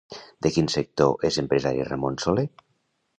De quin sector és empresari Ramon Soler?